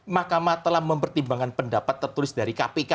mahkamah telah mempertimbangkan pendapat tertulis dari kpk